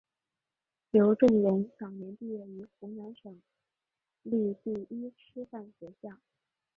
刘仲容早年毕业于湖南省立第一师范学校。